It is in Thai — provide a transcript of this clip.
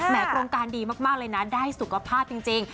โครงการดีมากเลยนะได้สุขภาพจริง